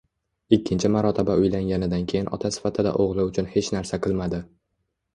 Ikkinchi marotaba uylanganidan keyin ota sifatida o'g'li uchun hech narsa qilmadi.